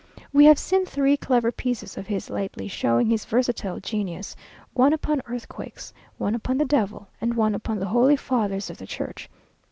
We have seen three clever pieces of his lately, showing his versatile genius; one upon earthquakes, one upon the devil, and one upon the holy fathers of the church!